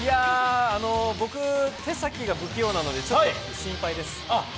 僕、手先が不器用なのでちょっと心配です。